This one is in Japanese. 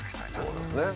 そうですね。